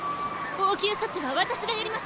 応急処置は私がやります。